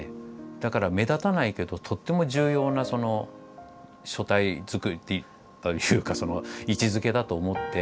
だから目立たないけどとっても重要な書体作りというかその位置づけだと思って